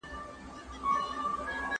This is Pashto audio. که باران ونه وري نو موږ به لاړ سو.